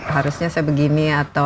harusnya saya begini atau